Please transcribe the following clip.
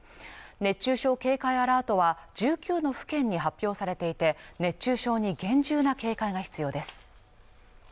熱中症警戒アラートは１９の府県に発表されていて熱中症に厳重な警戒が必要です